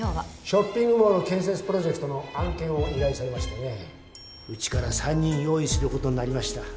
ショッピングモール建設プロジェクトの案件を依頼されましてねうちから３人用意することになりました。